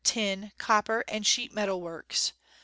Tin, Copper aid Sheet McijI Works.